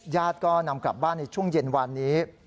ญาติก็นำกลับบ้านในช่วงเย็นวานนี้